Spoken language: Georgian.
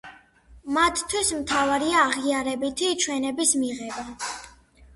მათთვის მთავარია აღიარებითი ჩვენების მიღება.